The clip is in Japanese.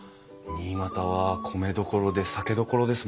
新潟は米どころで酒どころですもんね。